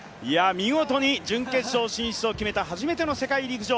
見事に準決勝進出を決めた、初めての世界陸上。